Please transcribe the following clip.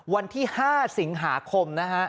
วันที่๕สิงหาคมนะฮะ